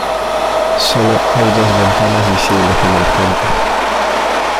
Sólo hay dos ventanas visibles en el frente.